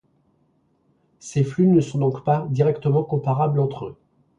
Ces flux ne sont donc pas directement comparables entre eux.